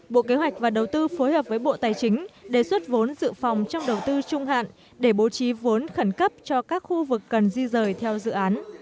bộ kế hoạch và đầu tư phối hợp với bộ tài chính đề xuất vốn dự phòng trong đầu tư trung hạn để bố trí vốn khẩn cấp cho các khu vực cần di rời theo dự án